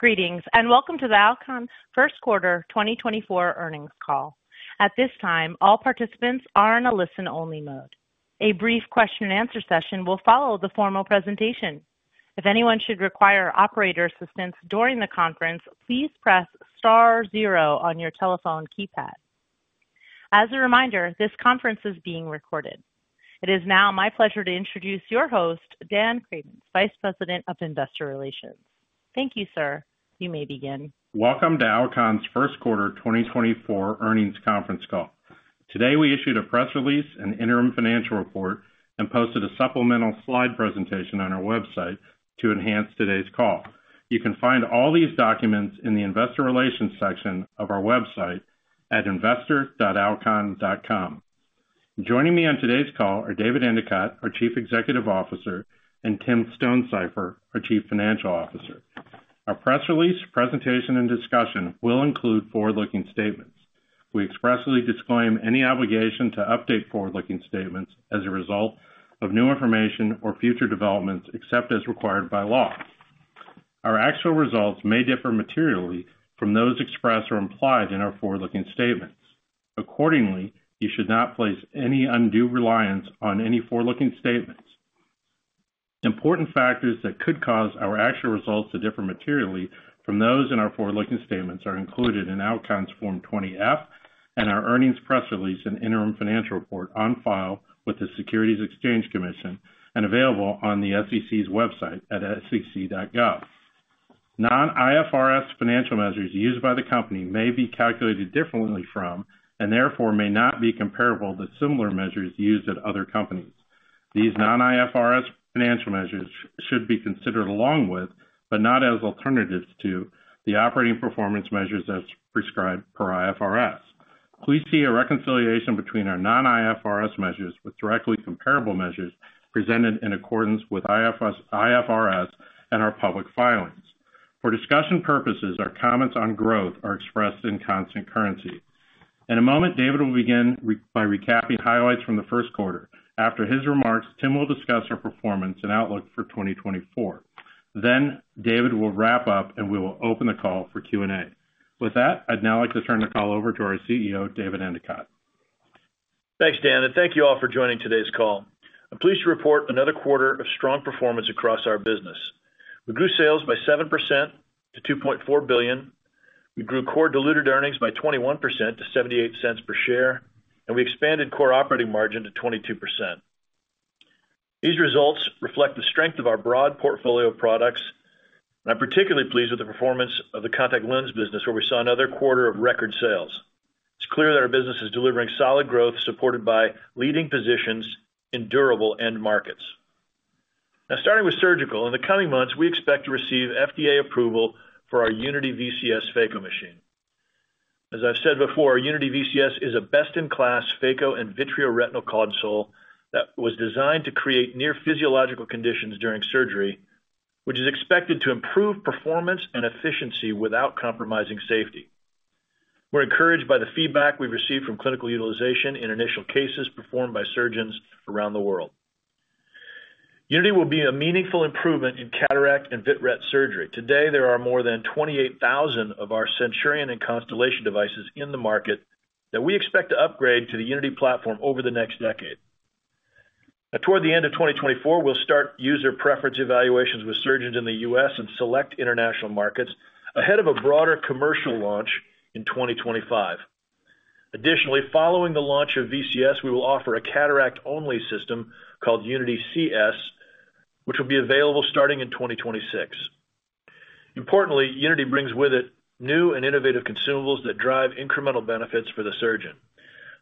Greetings and welcome to the Alcon first quarter 2024 earnings call. At this time, all participants are in a listen-only mode. A brief question-and-answer session will follow the formal presentation. If anyone should require operator assistance during the conference, please press star zero on your telephone keypad. As a reminder, this conference is being recorded. It is now my pleasure to introduce your host, Dan Cravens, Vice President of Investor Relations. Thank you, sir. You may begin. Welcome to Alcon's first quarter 2024 earnings conference call. Today we issued a press release, an interim financial report, and posted a supplemental slide presentation on our website to enhance today's call. You can find all these documents in the investor relations section of our website at investor.alcon.com. Joining me on today's call are David Endicott, our Chief Executive Officer, and Tim Stonesifer, our Chief Financial Officer. Our press release, presentation, and discussion will include forward-looking statements. We expressly disclaim any obligation to update forward-looking statements as a result of new information or future developments except as required by law. Our actual results may differ materially from those expressed or implied in our forward-looking statements. Accordingly, you should not place any undue reliance on any forward-looking statements. Important factors that could cause our actual results to differ materially from those in our forward-looking statements are included in Alcon's Form 20-F and our earnings press release and interim financial report on file with the Securities and Exchange Commission and available on the SEC's website at sec.gov. Non-IFRS financial measures used by the company may be calculated differently from and therefore may not be comparable to similar measures used at other companies. These non-IFRS financial measures should be considered along with but not as alternatives to the operating performance measures as prescribed per IFRS. Please see a reconciliation between our non-IFRS measures with directly comparable measures presented in accordance with IFRS and our public filings. For discussion purposes, our comments on growth are expressed in constant currency. In a moment, David will begin by recapping highlights from the first quarter. After his remarks, Tim will discuss our performance and outlook for 2024. Then David will wrap up and we will open the call for Q&A. With that, I'd now like to turn the call over to our CEO, David Endicott. Thanks, Dan, and thank you all for joining today's call. I'm pleased to report another quarter of strong performance across our business. We grew sales by 7% to $2.4 billion. We grew core diluted earnings by 21% to $0.78 per share, and we expanded core operating margin to 22%. These results reflect the strength of our broad portfolio of products, and I'm particularly pleased with the performance of the contact lens business where we saw another quarter of record sales. It's clear that our business is delivering solid growth supported by leading positions in durable end markets. Now, starting with surgical, in the coming months we expect to receive FDA approval for our Unity VCS phaco machine. As I've said before, Unity VCS is a best-in-class phaco and vitreoretinal console that was designed to create near-physiological conditions during surgery, which is expected to improve performance and efficiency without compromising safety. We're encouraged by the feedback we've received from clinical utilization in initial cases performed by surgeons around the world. Unity will be a meaningful improvement in cataract and vit ret surgery. Today there are more than 28,000 of our Centurion and Constellation devices in the market that we expect to upgrade to the Unity platform over the next decade. Now, toward the end of 2024, we'll start user preference evaluations with surgeons in the U.S. and select international markets ahead of a broader commercial launch in 2025. Additionally, following the launch of VCS, we will offer a cataract-only system called Unity CS, which will be available starting in 2026. Importantly, Unity brings with it new and innovative consumables that drive incremental benefits for the surgeon.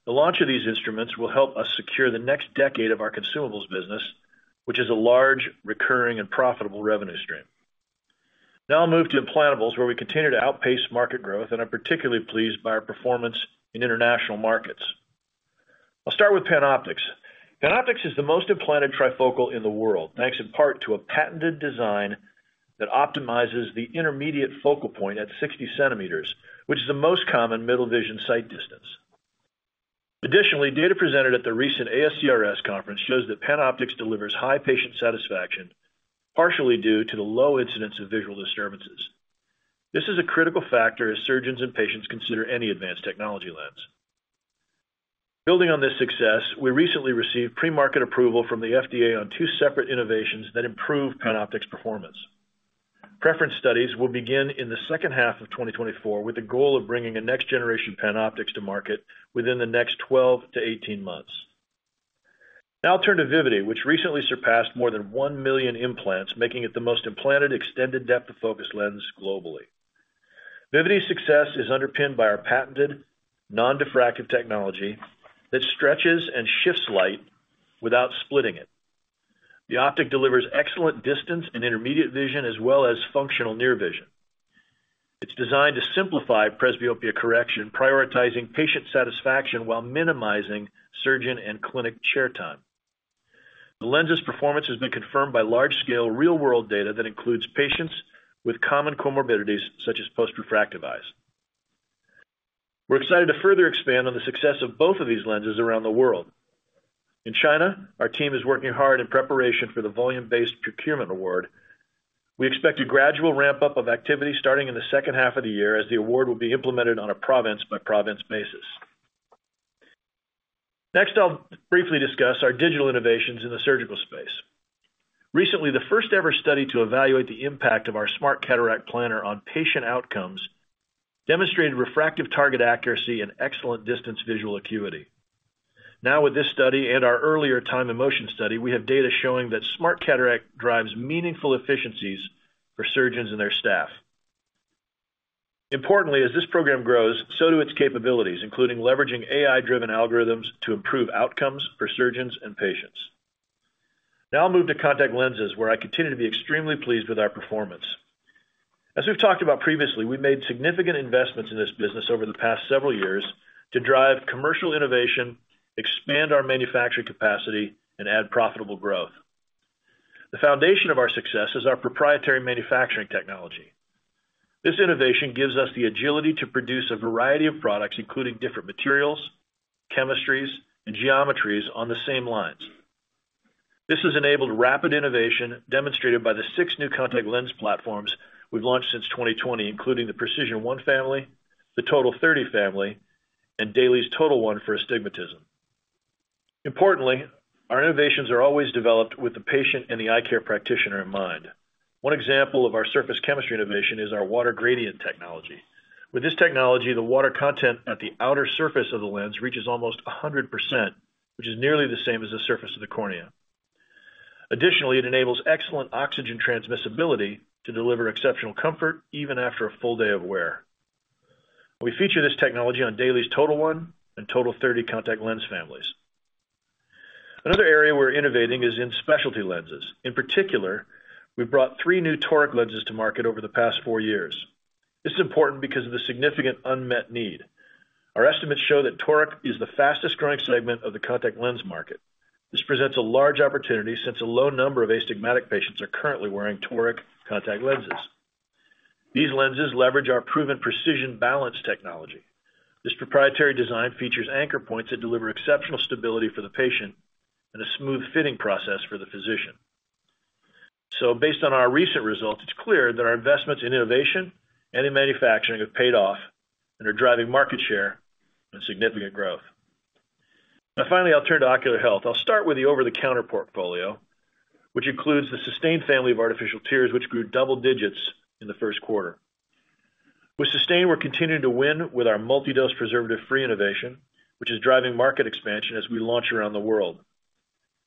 The launch of these instruments will help us secure the next decade of our consumables business, which is a large, recurring, and profitable revenue stream. Now I'll move to implantables where we continue to outpace market growth, and I'm particularly pleased by our performance in international markets. I'll start with PanOptix. PanOptix is the most implanted trifocal in the world, thanks in part to a patented design that optimizes the intermediate focal point at 60 cm, which is the most common middle vision sight distance. Additionally, data presented at the recent ASCRS conference shows that PanOptix delivers high patient satisfaction partially due to the low incidence of visual disturbances. This is a critical factor as surgeons and patients consider any advanced technology lens. Building on this success, we recently received pre-market approval from the FDA on two separate innovations that improve PanOptix performance. Preference studies will begin in the second half of 2024 with the goal of bringing a next generation PanOptix to market within the next 12-18 months. Now I'll turn to Vivity, which recently surpassed more than 1 million implants, making it the most implanted extended depth of focus lens globally. Vivity's success is underpinned by our patented non-diffractive technology that stretches and shifts light without splitting it. The optic delivers excellent distance and intermediate vision as well as functional near vision. It's designed to simplify presbyopia correction, prioritizing patient satisfaction while minimizing surgeon and clinic chair time. The lens's performance has been confirmed by large-scale real-world data that includes patients with common comorbidities such as post-refractive eyes. We're excited to further expand on the success of both of these lenses around the world. In China, our team is working hard in preparation for the Volume-Based Procurement Award. We expect a gradual ramp-up of activity starting in the second half of the year as the award will be implemented on a province-by-province basis. Next I'll briefly discuss our digital innovations in the surgical space. Recently, the first-ever study to evaluate the impact of our Smart Cataract Planner on patient outcomes demonstrated refractive target accuracy and excellent distance visual acuity. Now with this study and our earlier time-and-motion study, we have data showing that Smart Cataract drives meaningful efficiencies for surgeons and their staff. Importantly, as this program grows, so do its capabilities, including leveraging AI-driven algorithms to improve outcomes for surgeons and patients. Now I'll move to contact lenses where I continue to be extremely pleased with our performance. As we've talked about previously, we've made significant investments in this business over the past several years to drive commercial innovation, expand our manufacturing capacity, and add profitable growth. The foundation of our success is our proprietary manufacturing technology. This innovation gives us the agility to produce a variety of products, including different materials, chemistries, and geometries on the same lines. This has enabled rapid innovation demonstrated by the six new contact lens platforms we've launched since 2020, including the PRECISION1 family, the TOTAL30 family, and DAILIES TOTAL1 for astigmatism. Importantly, our innovations are always developed with the patient and the eye care practitioner in mind. One example of our surface chemistry innovation is our water gradient technology. With this technology, the water content at the outer surface of the lens reaches almost 100%, which is nearly the same as the surface of the cornea. Additionally, it enables excellent oxygen transmissibility to deliver exceptional comfort even after a full day of wear. We feature this technology on DAILIES TOTAL1 and TOTAL30 contact lens families. Another area we're innovating is in specialty lenses. In particular, we've brought three new toric lenses to market over the past four years. This is important because of the significant unmet need. Our estimates show that toric is the fastest-growing segment of the contact lens market. This presents a large opportunity since a low number of astigmatic patients are currently wearing toric contact lenses. These lenses leverage our proven precision balance technology. This proprietary design features anchor points that deliver exceptional stability for the patient and a smooth fitting process for the physician. So based on our recent results, it's clear that our investments in innovation and in manufacturing have paid off and are driving market share and significant growth. Now finally I'll turn to ocular health. I'll start with the over-the-counter portfolio, which includes the Systane family of artificial tears, which grew double digits in the first quarter. With Systane we're continuing to win with our multi-dose preservative-free innovation, which is driving market expansion as we launch around the world.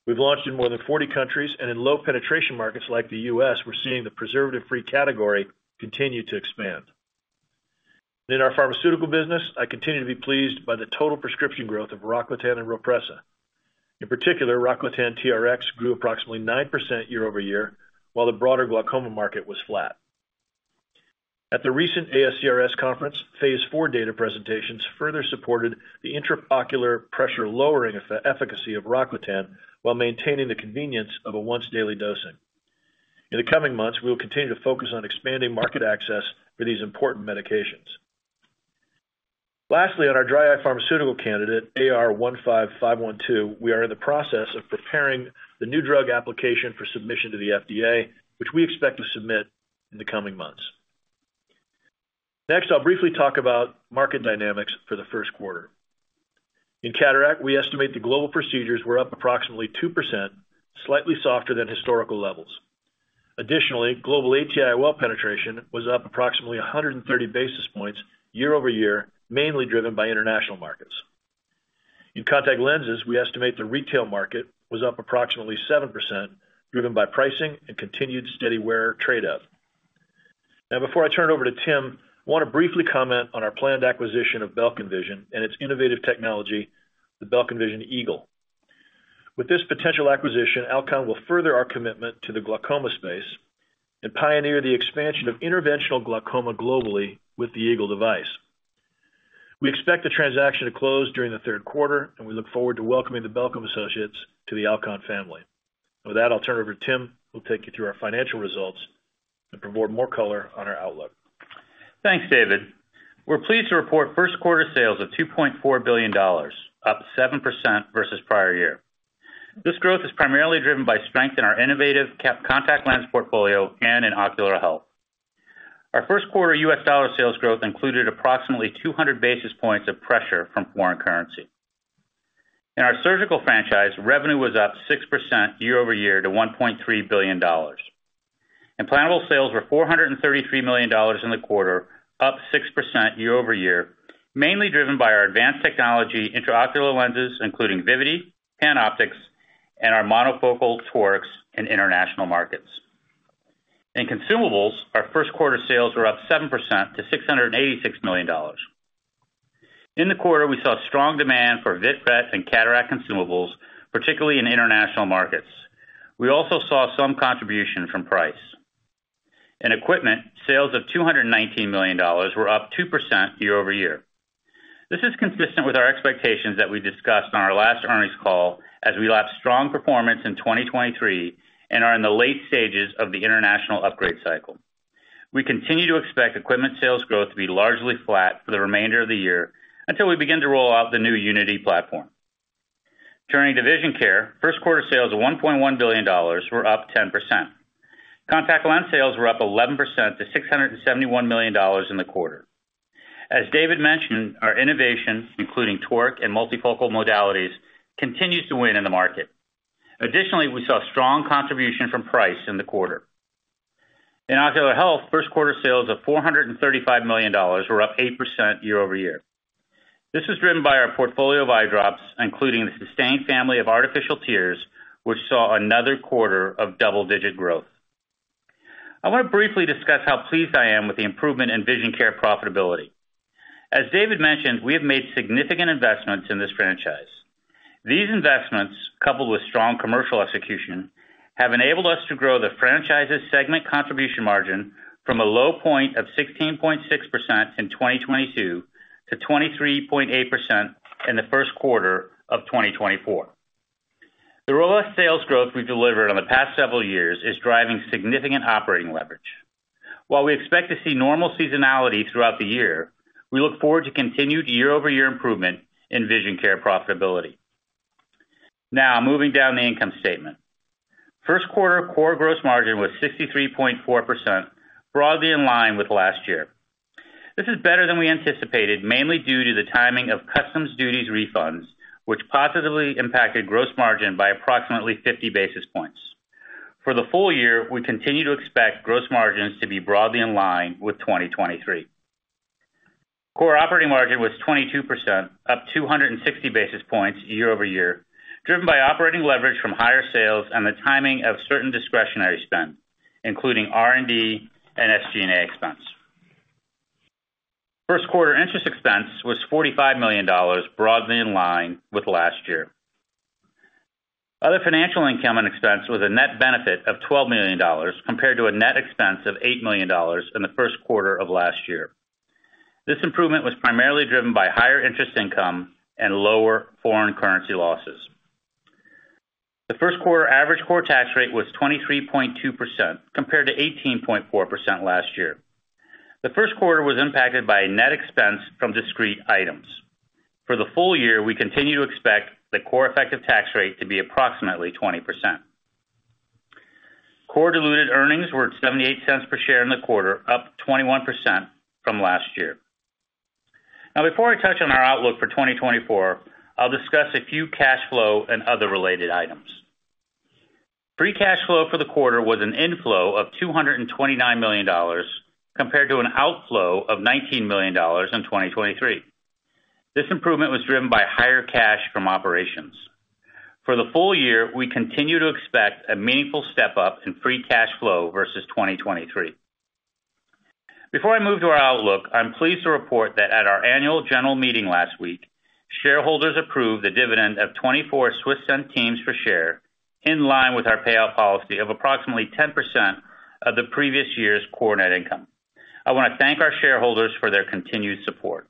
We've launched in more than 40 countries, and in low penetration markets like the U.S. we're seeing the preservative-free category continue to expand. In our pharmaceutical business, I continue to be pleased by the total prescription growth of Rocklatan and Rhopressa. In particular, Rocklatan TRx grew approximately 9% year-over-year while the broader glaucoma market was flat. At the recent ASCRS conference, phase four data presentations further supported the intraocular pressure-lowering efficacy of Rocklatan while maintaining the convenience of a once-daily dosing. In the coming months we will continue to focus on expanding market access for these important medications. Lastly, on our dry eye pharmaceutical candidate AR-15512, we are in the process of preparing the new drug application for submission to the FDA, which we expect to submit in the coming months. Next I'll briefly talk about market dynamics for the first quarter. In cataract we estimate the global procedures were up approximately 2%, slightly softer than historical levels. Additionally, global ATIOL penetration was up approximately 130 basis points year-over-year, mainly driven by international markets. In contact lenses we estimate the retail market was up approximately 7%, driven by pricing and continued steady wear trade-off. Now before I turn it over to Tim, I want to briefly comment on our planned acquisition of Belkin Vision and its innovative technology, the Belkin Vision Eagle. With this potential acquisition, Alcon will further our commitment to the glaucoma space and pioneer the expansion of interventional glaucoma globally with the Eagle device. We expect the transaction to close during the third quarter, and we look forward to welcoming the Belkin Associates to the Alcon family. With that I'll turn it over to Tim who will take you through our financial results and provide more color on our outlook. Thanks, David. We're pleased to report first quarter sales of $2.4 billion, up 7% versus prior year. This growth is primarily driven by strength in our innovative contact lens portfolio and in ocular health. Our first quarter US dollar sales growth included approximately 200 basis points of pressure from foreign currency. In our surgical franchise, revenue was up 6% year-over-year to $1.3 billion. Implantable sales were $433 million in the quarter, up 6% year-over-year, mainly driven by our advanced technology intraocular lenses including Vivity, PanOptix, and our monofocal torics in international markets. In consumables, our first quarter sales were up 7% to $686 million. In the quarter we saw strong demand for vit ret and cataract consumables, particularly in international markets. We also saw some contribution from price. In equipment, sales of $219 million were up 2% year-over-year. This is consistent with our expectations that we discussed on our last earnings call as we lack strong performance in 2023 and are in the late stages of the international upgrade cycle. We continue to expect equipment sales growth to be largely flat for the remainder of the year until we begin to roll out the new Unity platform. Turning to vision care, first quarter sales of $1.1 billion were up 10%. Contact lens sales were up 11% to $671 million in the quarter. As David mentioned, our innovation, including toric and multifocal modalities, continues to win in the market. Additionally, we saw strong contribution from price in the quarter. In ocular health, first quarter sales of $435 million were up 8% year-over-year. This was driven by our portfolio of eye drops, including the Systane family of artificial tears, which saw another quarter of double-digit growth. I want to briefly discuss how pleased I am with the improvement in vision care profitability. As David mentioned, we have made significant investments in this franchise. These investments, coupled with strong commercial execution, have enabled us to grow the franchise's segment contribution margin from a low point of 16.6% in 2022 to 23.8% in the first quarter of 2024. The robust sales growth we've delivered on the past several years is driving significant operating leverage. While we expect to see normal seasonality throughout the year, we look forward to continued year-over-year improvement in vision care profitability. Now moving down the income statement. First quarter core gross margin was 63.4%, broadly in line with last year. This is better than we anticipated, mainly due to the timing of customs duties refunds, which positively impacted gross margin by approximately 50 basis points. For the full year we continue to expect gross margins to be broadly in line with 2023. Core operating margin was 22%, up 260 basis points year-over-year, driven by operating leverage from higher sales and the timing of certain discretionary spend, including R&D and SG&A expense. First quarter interest expense was $45 million, broadly in line with last year. Other financial income and expense was a net benefit of $12 million compared to a net expense of $8 million in the first quarter of last year. This improvement was primarily driven by higher interest income and lower foreign currency losses. The first quarter average core tax rate was 23.2% compared to 18.4% last year. The first quarter was impacted by net expense from discrete items. For the full year we continue to expect the core effective tax rate to be approximately 20%. Core diluted earnings were at $0.78 per share in the quarter, up 21% from last year. Now before I touch on our outlook for 2024, I'll discuss a few cash flow and other related items. Free cash flow for the quarter was an inflow of $229 million compared to an outflow of $19 million in 2023. This improvement was driven by higher cash from operations. For the full year we continue to expect a meaningful step up in free cash flow versus 2023. Before I move to our outlook, I'm pleased to report that at our annual general meeting last week, shareholders approved the dividend of 0.24 per share, in line with our payout policy of approximately 10% of the previous year's core net income. I want to thank our shareholders for their continued support.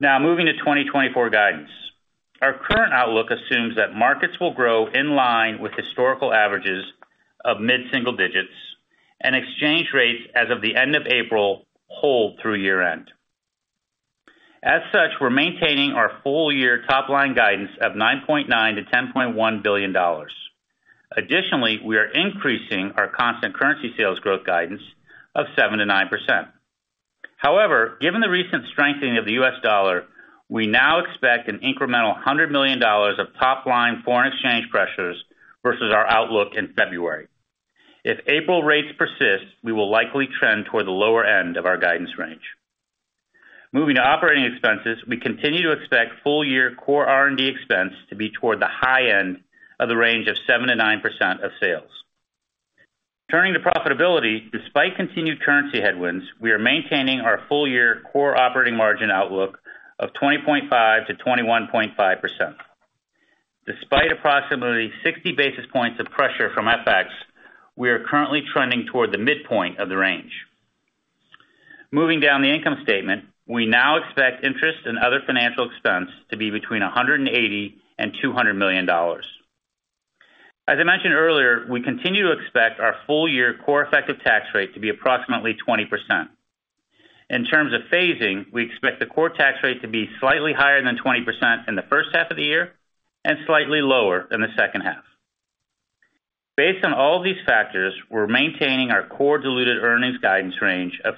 Now moving to 2024 guidance. Our current outlook assumes that markets will grow in line with historical averages of mid-single digits, and exchange rates as of the end of April hold through year-end. As such, we're maintaining our full year top-line guidance of $9.9-$10.1 billion. Additionally, we are increasing our constant currency sales growth guidance of 7%-9%. However, given the recent strengthening of the U.S. dollar, we now expect an incremental $100 million of top-line foreign exchange pressures versus our outlook in February. If April rates persist, we will likely trend toward the lower end of our guidance range. Moving to operating expenses, we continue to expect full year core R&D expense to be toward the high end of the range of 7%-9% of sales. Turning to profitability, despite continued currency headwinds, we are maintaining our full year core operating margin outlook of 20.5%-21.5%. Despite approximately 60 basis points of pressure from FX, we are currently trending toward the midpoint of the range. Moving down the income statement, we now expect interest and other financial expense to be between $180 million and $200 million. As I mentioned earlier, we continue to expect our full year core effective tax rate to be approximately 20%. In terms of phasing, we expect the core tax rate to be slightly higher than 20% in the first half of the year and slightly lower in the second half. Based on all of these factors, we're maintaining our core diluted earnings guidance range of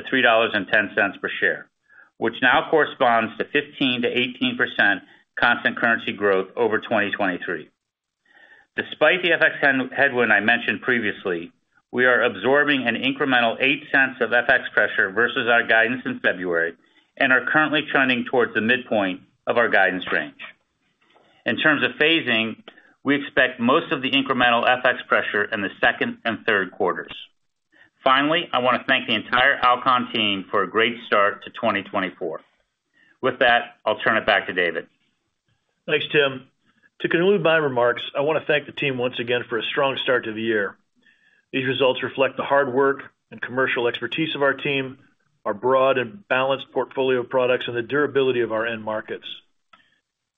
$3-$3.10 per share, which now corresponds to 15%-18% constant currency growth over 2023. Despite the FX headwind I mentioned previously, we are absorbing an incremental $0.08 of FX pressure versus our guidance in February and are currently trending towards the midpoint of our guidance range. In terms of phasing, we expect most of the incremental FX pressure in the second and third quarters. Finally, I want to thank the entire Alcon team for a great start to 2024. With that I'll turn it back to David. Thanks, Tim. To conclude my remarks, I want to thank the team once again for a strong start to the year. These results reflect the hard work and commercial expertise of our team, our broad and balanced portfolio of products, and the durability of our end markets.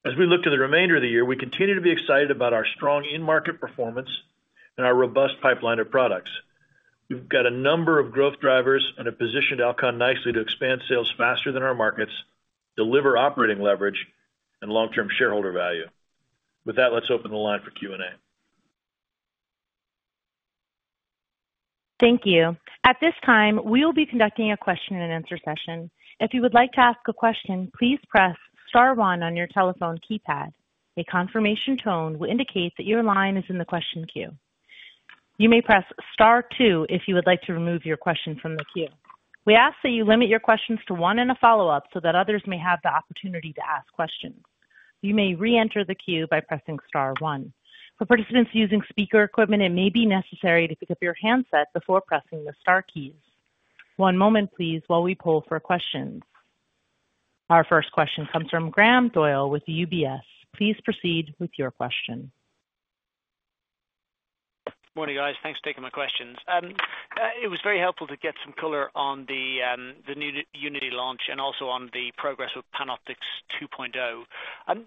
As we look to the remainder of the year we continue to be excited about our strong in-market performance and our robust pipeline of products. We've got a number of growth drivers and have positioned Alcon nicely to expand sales faster than our markets, deliver operating leverage, and long-term shareholder value. With that let's open the line for Q&A. Thank you. At this time we will be conducting a question and answer session. If you would like to ask a question please press star one on your telephone keypad. A confirmation tone will indicate that your line is in the question queue. You may press star two if you would like to remove your question from the queue. We ask that you limit your questions to one and a follow-up so that others may have the opportunity to ask questions. You may re-enter the queue by pressing star one. For participants using speaker equipment it may be necessary to pick up your handset before pressing the star keys. One moment please while we pull for questions. Our first question comes from Graham Doyle with UBS. Please proceed with your question. Good morning guys. Thanks for taking my questions. It was very helpful to get some color on the new Unity launch and also on the progress with PanOptix 2.0.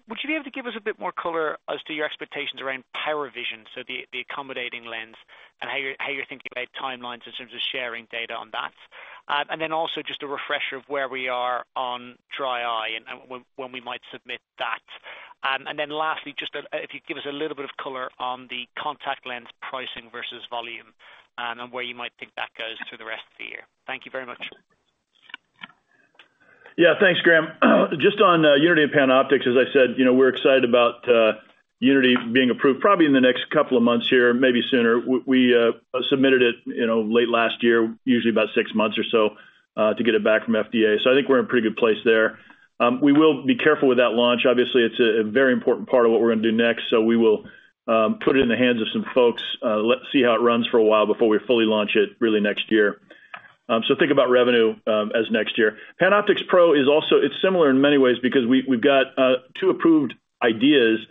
Would you be able to give us a bit more color as to your expectations around PowerVision, so the accommodating lens, and how you're thinking about timelines in terms of sharing data on that? And then also just a refresher of where we are on dry eye and when we might submit that. And then lastly just if you'd give us a little bit of color on the contact lens pricing versus volume and where you might think that goes through the rest of the year. Thank you very much. Yeah, thanks Graham. Just on Unity and PanOptix, as I said, we're excited about Unity being approved probably in the next couple of months here, maybe sooner. We submitted it late last year, usually about 6 months or so, to get it back from FDA. So I think we're in a pretty good place there. We will be careful with that launch. Obviously it's a very important part of what we're going to do next so we will put it in the hands of some folks, see how it runs for a while before we fully launch it really next year. So think about revenue as next year. PanOptix Pro is similar in many ways because we've got two approved IOLs.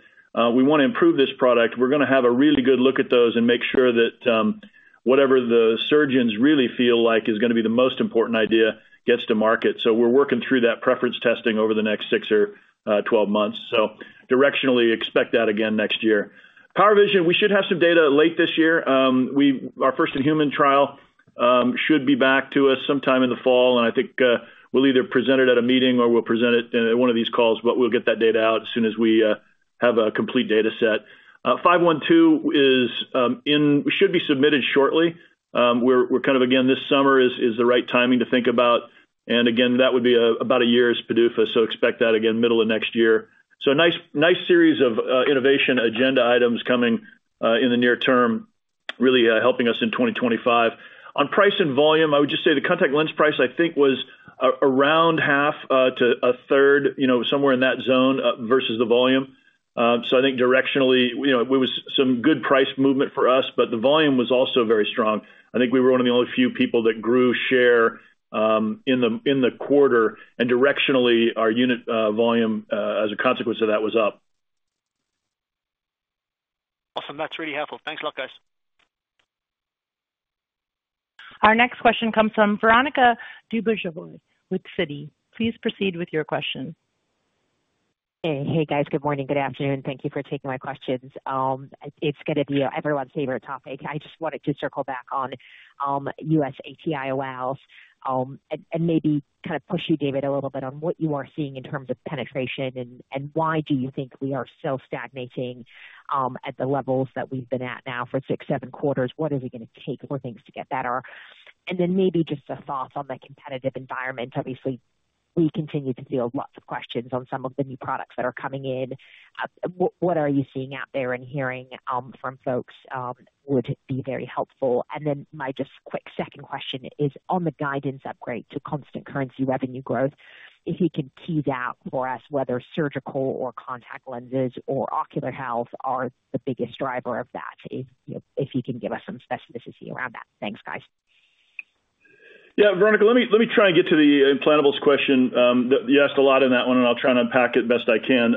We want to improve this product. We're going to have a really good look at those and make sure that whatever the surgeons really feel like is going to be the most important idea gets to market. So we're working through that preference testing over the next 6 or 12 months. So directionally expect that again next year. PowerVision we should have some data late this year. Our first in-human trial should be back to us sometime in the fall and I think we'll either present it at a meeting or we'll present it in one of these calls but we'll get that data out as soon as we have a complete data set. 512 should be submitted shortly. We're kind of again this summer is the right timing to think about and again that would be about a year's PDUFA so expect that again middle of next year. So a nice series of innovation agenda items coming in the near term, really helping us in 2025. On price and volume I would just say the contact lens price I think was around half to a third, somewhere in that zone versus the volume. So I think directionally it was some good price movement for us but the volume was also very strong. I think we were one of the only few people that grew share in the quarter and directionally our unit volume as a consequence of that was up. Awesome. That's really helpful. Thanks a lot guys. Our next question comes from Veronika Dubajova with Citi. Please proceed with your question. Hey guys. Good morning. Good afternoon. Thank you for taking my questions. It's going to be everyone's favorite topic. I just wanted to circle back on U.S. ATIOLs and maybe kind of push you David a little bit on what you are seeing in terms of penetration and why do you think we are still stagnating at the levels that we've been at now for 6, 7 quarters? What is it going to take for things to get better? And then maybe just a thought on the competitive environment. Obviously we continue to field lots of questions on some of the new products that are coming in. What are you seeing out there and hearing from folks would be very helpful. And then my just quick second question is on the guidance upgrade to constant currency revenue growth, if you can tease out for us whether surgical or contact lenses or ocular health are the biggest driver of that, if you can give us some specificity around that? Thanks guys. Yeah, Veronika. Let me try and get to the implantables question. You asked a lot in that one and I'll try and unpack it best I can.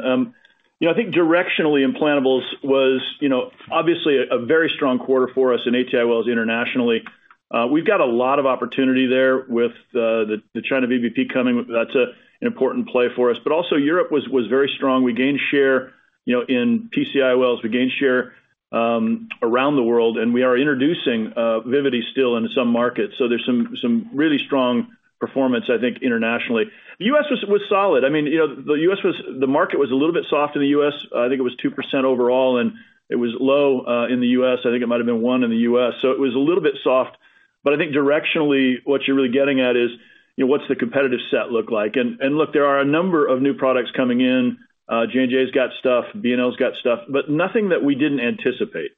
I think directionally implantables was obviously a very strong quarter for us in ATIOLs internationally. We've got a lot of opportunity there with the China VBP coming. That's an important play for us. But also Europe was very strong. We gained share in PCIOLs. We gained share around the world and we are introducing Vivity still into some markets. So there's some really strong performance I think internationally. The U.S. was solid. I mean the U.S. was the market was a little bit soft in the U.S.. I think it was 2% overall and it was low in the U.S.. I think it might have been 1% in the U.S.. So it was a little bit soft, but I think directionally what you're really getting at is what's the competitive set look like? And look, there are a number of new products coming in. J&J's got stuff. B&L's got stuff, but nothing that we didn't anticipate.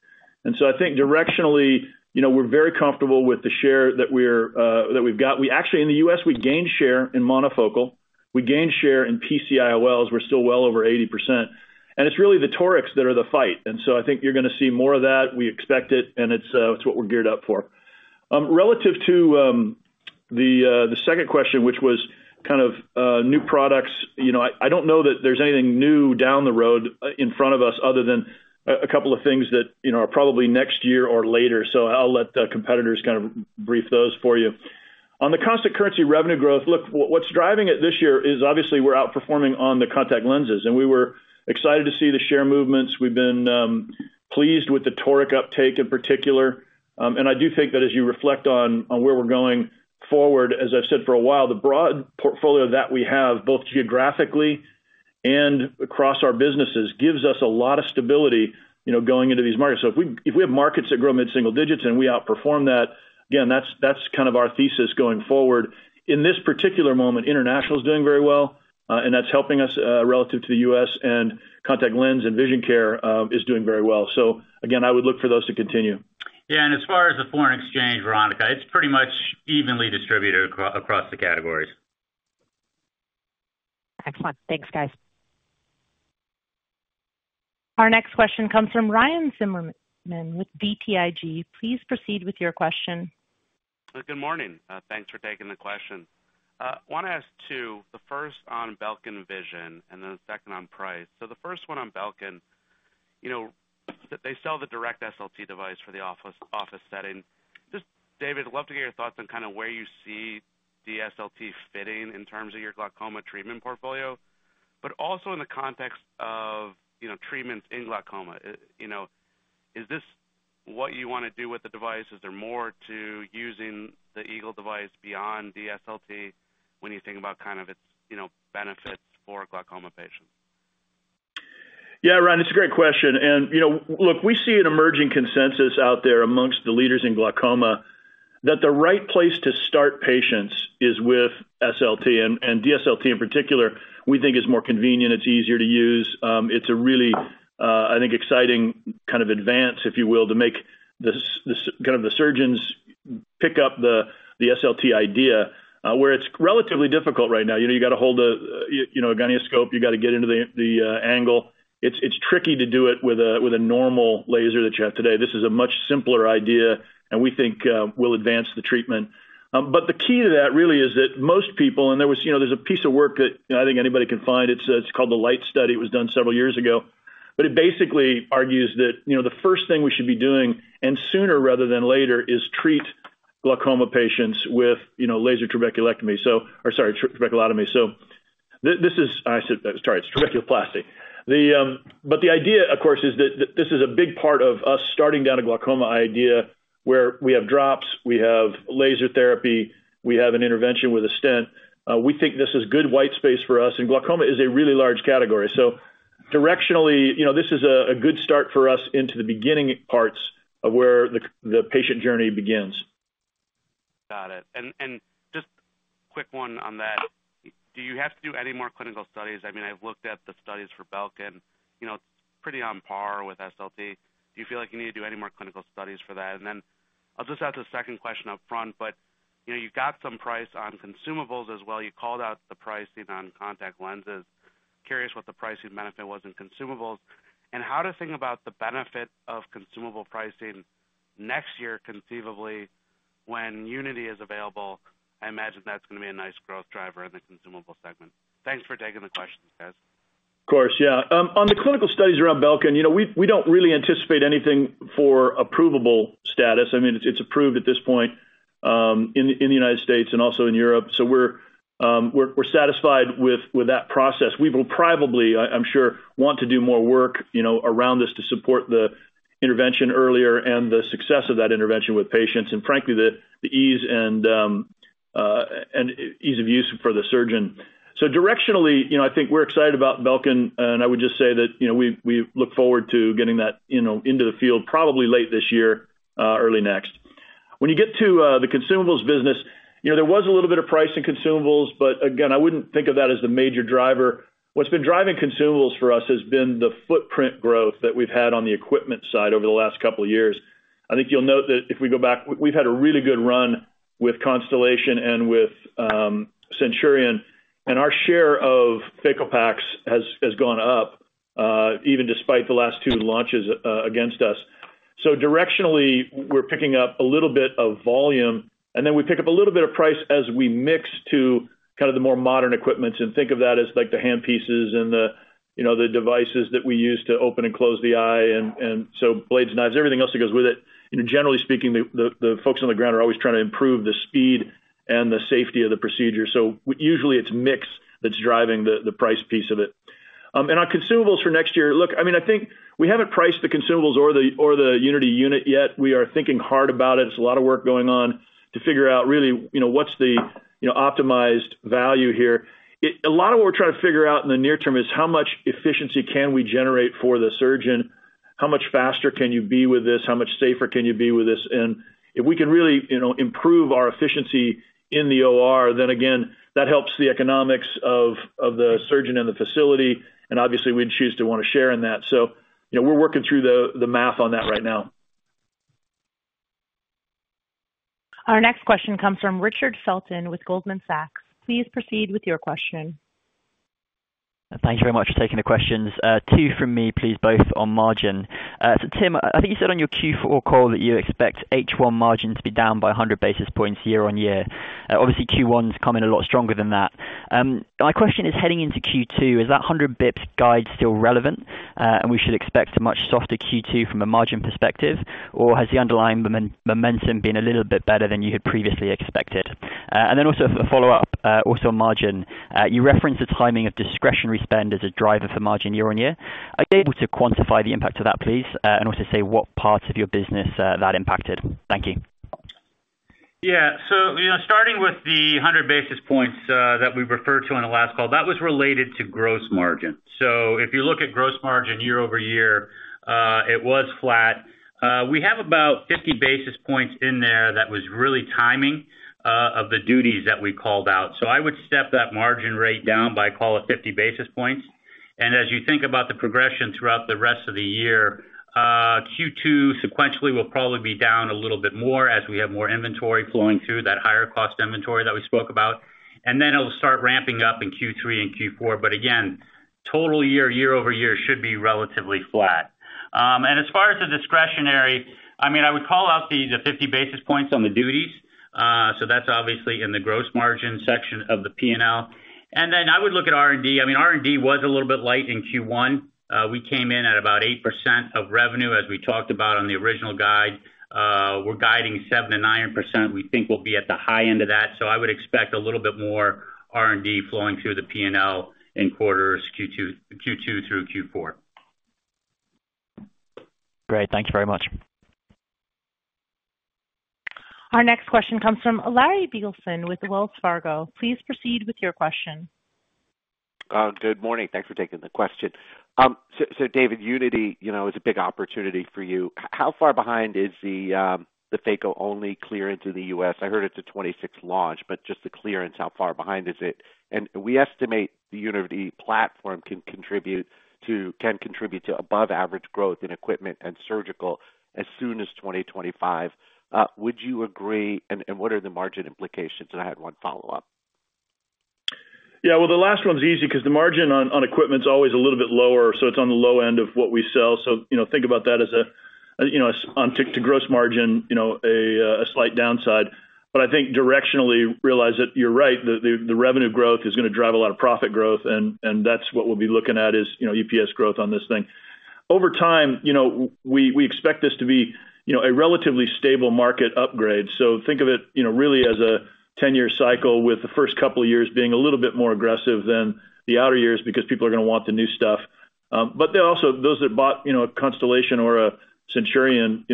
And so I think directionally we're very comfortable with the share that we've got. Actually in the U.S. we gained share in monofocal. We gained share in PCIOLs. We're still well over 80%. And it's really the torics that are the fight, and so I think you're going to see more of that. We expect it, and it's what we're geared up for. Relative to the second question, which was kind of new products, I don't know that there's anything new down the road in front of us other than a couple of things that are probably next year or later. So I'll let the competitors kind of brief those for you. On the constant currency revenue growth, look, what's driving it this year is obviously we're outperforming on the contact lenses and we were excited to see the share movements. We've been pleased with the toric uptake in particular and I do think that as you reflect on where we're going forward, as I've said for a while, the broad portfolio that we have both geographically and across our businesses gives us a lot of stability going into these markets. So if we have markets that grow mid-single digits and we outperform that, again that's kind of our thesis going forward. In this particular moment international is doing very well and that's helping us relative to the U.S. and contact lens and vision care is doing very well. So again I would look for those to continue. Yeah, and as far as the foreign exchange, Veronika, it's pretty much evenly distributed across the categories. Excellent. Thanks guys. Our next question comes from Ryan Zimmerman with BTIG. Please proceed with your question. Good morning. Thanks for taking the question. I want to ask two. The first on Belkin Vision and then the second on price. So the first one on Belkin, they sell the direct SLT device for the office setting. Just David, I'd love to get your thoughts on kind of where you see DSLT fitting in terms of your glaucoma treatment portfolio but also in the context of treatments in glaucoma. Is this what you want to do with the device? Is there more to using the Eagle device beyond DSLT when you think about kind of its benefits for glaucoma patients? Yeah, Ryan. It's a great question, and look, we see an emerging consensus out there amongst the leaders in glaucoma that the right place to start patients is with SLT, and DSLT in particular we think is more convenient. It's easier to use. It's a really, I think, exciting kind of advance, if you will, to make kind of the surgeons pick up the SLT idea where it's relatively difficult right now. You've got to hold a gonioscope. You've got to get into the angle. It's tricky to do it with a normal laser that you have today. This is a much simpler idea, and we think will advance the treatment. But the key to that really is that most people, and there's a piece of work that I think anybody can find. It's called the LIGHT study. It was done several years ago. But it basically argues that the first thing we should be doing and sooner rather than later is treat glaucoma patients with laser trabeculectomy or sorry trabeculotomy. So this is sorry it's trabeculoplasty. But the idea of course is that this is a big part of us starting down a glaucoma idea where we have drops. We have laser therapy. We have an intervention with a stent. We think this is good white space for us and glaucoma is a really large category. So directionally this is a good start for us into the beginning parts of where the patient journey begins. Got it. And just quick one on that. Do you have to do any more clinical studies? I mean I've looked at the studies for Belkin. It's pretty on par with SLT. Do you feel like you need to do any more clinical studies for that? And then I'll just ask a second question up front but you've got some price on consumables as well. You called out the pricing on contact lenses. Curious what the pricing benefit was in consumables and how to think about the benefit of consumable pricing next year conceivably when Unity is available. I imagine that's going to be a nice growth driver in the consumable segment. Thanks for taking the questions guys. Of course. Yeah. On the clinical studies around Belkin, we don't really anticipate anything for approvable status. I mean it's approved at this point in the United States and also in Europe so we're satisfied with that process. We will probably I'm sure want to do more work around this to support the intervention earlier and the success of that intervention with patients and frankly the ease and ease of use for the surgeon. So directionally I think we're excited about Belkin and I would just say that we look forward to getting that into the field probably late this year, early next. When you get to the consumables business, there was a little bit of price in consumables but again I wouldn't think of that as the major driver. What's been driving consumables for us has been the footprint growth that we've had on the equipment side over the last couple of years. I think you'll note that if we go back we've had a really good run with Constellation and with Centurion and our share of phaco packs has gone up even despite the last two launches against us. So directionally we're picking up a little bit of volume and then we pick up a little bit of price as we mix to kind of the more modern equipments and think of that as the handpieces and the devices that we use to open and close the eye and so blades, knives, everything else that goes with it. Generally speaking the folks on the ground are always trying to improve the speed and the safety of the procedure. So usually it's mix that's driving the price piece of it. And on consumables for next year, look I mean I think we haven't priced the consumables or the Unity unit yet. We are thinking hard about it. It's a lot of work going on to figure out really what's the optimized value here. A lot of what we're trying to figure out in the near term is how much efficiency can we generate for the surgeon? How much faster can you be with this? How much safer can you be with this? And if we can really improve our efficiency in the OR then again that helps the economics of the surgeon and the facility and obviously we'd choose to want to share in that. So we're working through the math on that right now. Our next question comes from Richard Felton with Goldman Sachs. Please proceed with your question. Thank you very much for taking the questions. 2 from me please both on margin. So Tim, I think you said on your Q4 call that you expect H1 margin to be down by 100 basis points year-on-year. Obviously Q1's come in a lot stronger than that. My question is heading into Q2, is that 100 basis points guide still relevant and we should expect a much softer Q2 from a margin perspective or has the underlying momentum been a little bit better than you had previously expected? And then also a follow up also on margin. You referenced the timing of discretionary spend as a driver for margin year-on-year. Are you able to quantify the impact of that please and also say what parts of your business that impacted? Thank you. Yeah. So starting with the 100 basis points that we referred to in the last call, that was related to gross margin. So if you look at gross margin year-over-year it was flat. We have about 50 basis points in there that was really timing of the duties that we called out. So I would step that margin rate down by call it 50 basis points. And as you think about the progression throughout the rest of the year, Q2 sequentially will probably be down a little bit more as we have more inventory flowing through, that higher cost inventory that we spoke about. And then it'll start ramping up in Q3 and Q4. But again total year year-over-year should be relatively flat. And as far as the discretionary, I mean I would call out the 50 basis points on the duties. So that's obviously in the gross margin section of the P&L. And then I would look at R&D. I mean R&D was a little bit light in Q1. We came in at about 8% of revenue as we talked about on the original guide. We're guiding 7% and 9%. We think we'll be at the high end of that. So I would expect a little bit more R&D flowing through the P&L in quarters Q2 through Q4. Great. Thank you very much. Our next question comes from Larry Biegelsen with Wells Fargo. Please proceed with your question. Good morning. Thanks for taking the question. So David, Unity is a big opportunity for you. How far behind is the phaco only clearance in the U.S.? I heard it's a 2026 launch but just the clearance, how far behind is it? And we estimate the Unity platform can contribute to above average growth in equipment and surgical as soon as 2025. Would you agree and what are the margin implications? And I had one follow up. Yeah. Well, the last one's easy because the margin on equipment's always a little bit lower, so it's on the low end of what we sell. So think about that as a low gross margin a slight downside. But I think directionally realize that you're right. The revenue growth is going to drive a lot of profit growth and that's what we'll be looking at is EPS growth on this thing. Over time we expect this to be a relatively stable market upgrade. So think of it really as a 10-year cycle with the first couple of years being a little bit more aggressive than the outer years because people are going to want the new stuff. But also those that bought a Constellation or a Centurion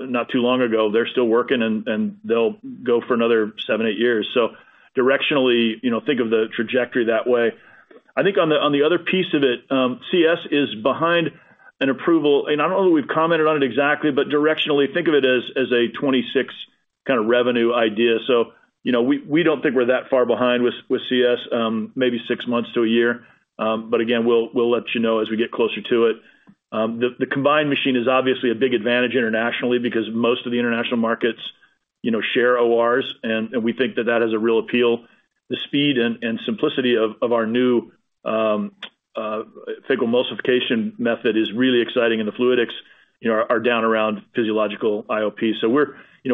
not too long ago, they're still working and they'll go for another 7-8 years. So directionally think of the trajectory that way. I think on the other piece of it, CS is behind an approval and I don't know that we've commented on it exactly but directionally think of it as a 26 kind of revenue idea. So we don't think we're that far behind with CS, maybe six months to a year. But again we'll let you know as we get closer to it. The combined machine is obviously a big advantage internationally because most of the international markets share ORs and we think that that has a real appeal. The speed and simplicity of our new phacoemulsification method is really exciting and the fluidics are down around physiological IOP. So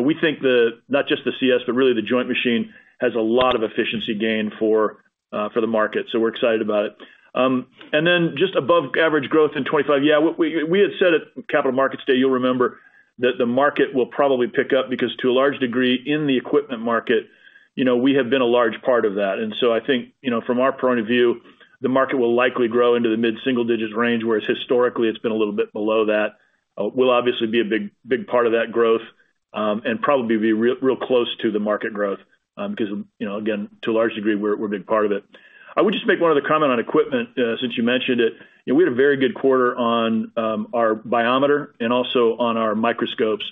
we think not just the CS but really the joint machine has a lot of efficiency gain for the market. So we're excited about it. And then just above average growth in 2025, yeah we had said at Capital Markets Day you'll remember that the market will probably pick up because to a large degree in the equipment market we have been a large part of that. And so I think from our point of view the market will likely grow into the mid-single digits range whereas historically it's been a little bit below that. We'll obviously be a big part of that growth and probably be real close to the market growth because again to a large degree we're a big part of it. I would just make one other comment on equipment since you mentioned it. We had a very good quarter on our biometer and also on our microscopes.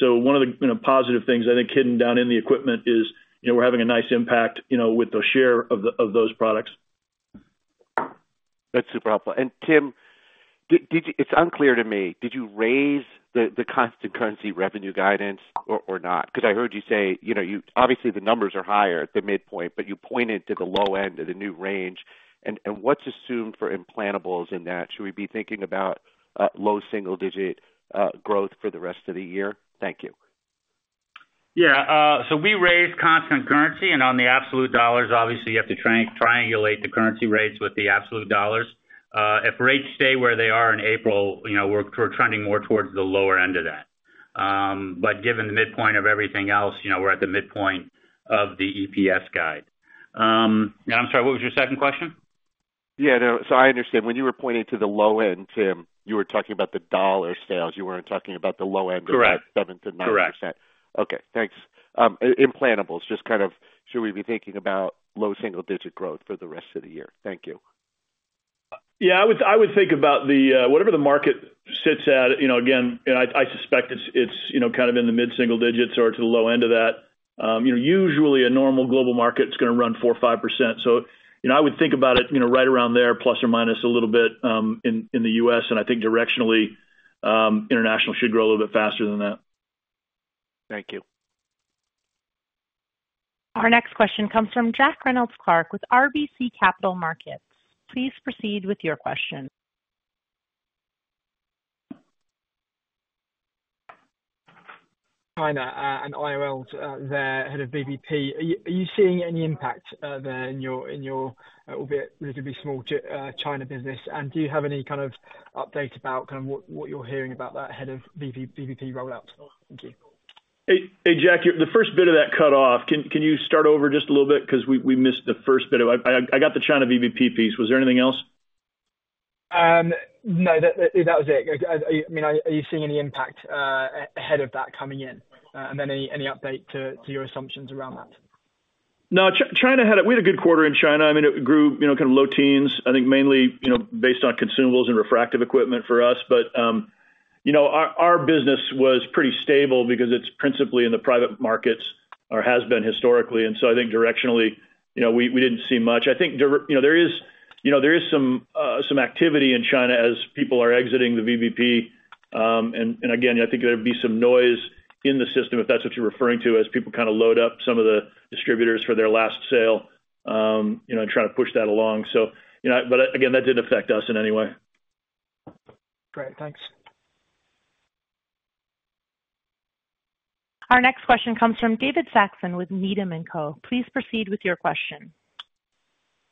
So one of the positive things I think hidden down in the equipment is we're having a nice impact with the share of those products. That's super helpful. Tim, it's unclear to me. Did you raise the constant currency revenue guidance or not? Because I heard you say obviously the numbers are higher at the midpoint but you pointed to the low end of the new range. What's assumed for implantables in that? Should we be thinking about low single digit growth for the rest of the year? Thank you. Yeah. So we raised constant currency and on the absolute dollars obviously you have to triangulate the currency rates with the absolute dollars. If rates stay where they are in April, we're trending more towards the lower end of that. But given the midpoint of everything else, we're at the midpoint of the EPS guide. And I'm sorry, what was your second question? Yeah. So I understand. When you were pointing to the low end Tim, you were talking about the dollar sales. You weren't talking about the low end of that 7%-9%. Correct. Okay. Thanks. Implantables, just kind of should we be thinking about low single-digit growth for the rest of the year? Thank you. Yeah. I would think about whatever the market sits at again and I suspect it's kind of in the mid-single digits or to the low end of that. Usually a normal global market's going to run 4% or 5%. So I would think about it right around there ± a little bit in the U.S. and I think directionally international should grow a little bit faster than that. Thank you. Our next question comes from Jack Reynolds-Clark with RBC Capital Markets. Please proceed with your question. China and IOLs there, head of VBP. Are you seeing any impact there in your albeit relatively small China business? And do you have any kind of update about kind of what you're hearing about that head of VBP rollout? Thank you. Hey, Jack, the first bit of that cut off. Can you start over just a little bit because we missed the first bit of it? I got the China VBP piece. Was there anything else? No. That was it. I mean are you seeing any impact ahead of that coming in? And then any update to your assumptions around that? No, in China we had a good quarter in China. I mean, it grew kind of low teens I think mainly based on consumables and refractive equipment for us. But our business was pretty stable because it's principally in the private markets or has been historically. And so I think directionally we didn't see much. I think there is some activity in China as people are exiting the VBP. And again I think there'd be some noise in the system if that's what you're referring to as people kind of load up some of the distributors for their last sale and try to push that along. But again that didn't affect us in any way. Great. Thanks. Our next question comes from David Saxon with Needham & Company. Please proceed with your question.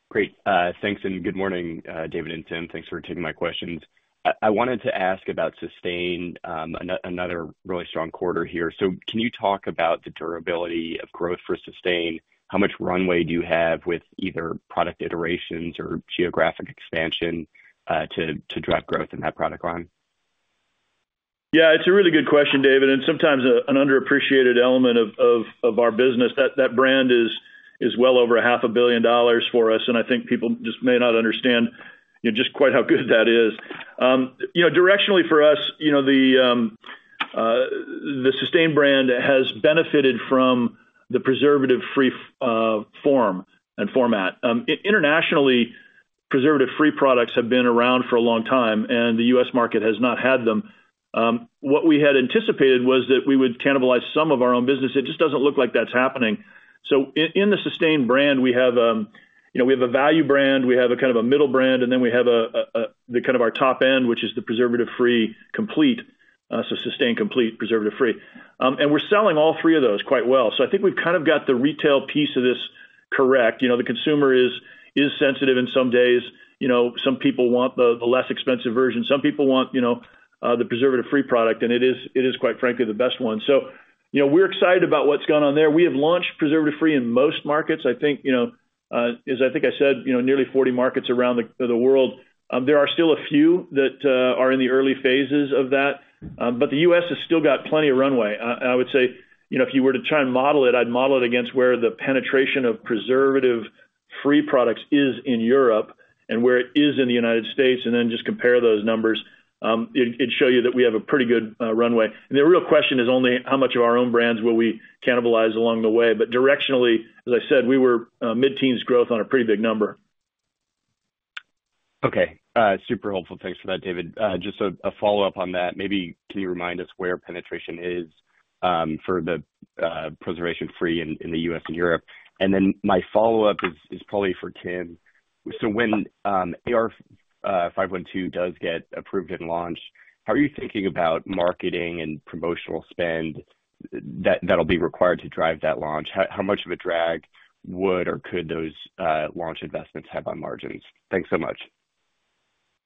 Great. Thanks and good morning David and Tim. Thanks for taking my questions. I wanted to ask about Systane, another really strong quarter here. So can you talk about the durability of growth for Systane? How much runway do you have with either product iterations or geographic expansion to drive growth in that product line? Yeah. It's a really good question David and sometimes an underappreciated element of our business. That brand is well over $500 million for us and I think people just may not understand just quite how good that is. Directionally for us, the Systane brand has benefited from the preservative-free form and format. Internationally, preservative-free products have been around for a long time and the U.S. market has not had them. What we had anticipated was that we would cannibalize some of our own business. It just doesn't look like that's happening. So in the Systane brand we have a value brand. We have kind of a middle brand and then we have kind of our top end which is the preservative-free complete. So Systane Complete, preservative-free. And we're selling all three of those quite well. So I think we've kind of got the retail piece of this correct. The consumer is sensitive in some days. Some people want the less expensive version. Some people want the preservative-free product and it is quite frankly the best one. So we're excited about what's gone on there. We have launched preservative-free in most markets. I think as I think I said, nearly 40 markets around the world. There are still a few that are in the early phases of that but the U.S. has still got plenty of runway. I would say if you were to try and model it, I'd model it against where the penetration of preservative-free products is in Europe and where it is in the United States and then just compare those numbers. It'd show you that we have a pretty good runway. The real question is only how much of our own brands will we cannibalize along the way. Directionally, as I said, we were mid-teens growth on a pretty big number. Okay. Super helpful. Thanks for that David. Just a follow up on that. Maybe can you remind us where penetration is for the preservation-free in the U.S. and Europe? And then my follow up is probably for Tim. So when AR-15512 does get approved and launched, how are you thinking about marketing and promotional spend that'll be required to drive that launch? How much of a drag would or could those launch investments have on margins? Thanks so much.